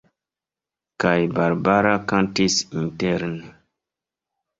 Kaj Barbara kantis interne.